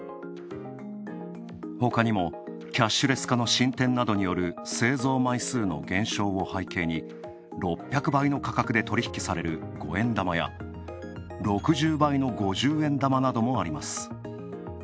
ほかにもキャッシュレス化の進展などによる製造枚数の減少を背景に６００倍の価格で取引される五円玉や６０倍の五十円玉などもあります。